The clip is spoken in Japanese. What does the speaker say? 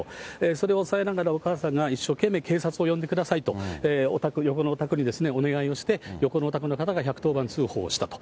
それを押さえながら、お母さんが一生懸命警察を呼んでくださいと、横のお宅にお願いをして、横のお宅の方が１１０番通報したと。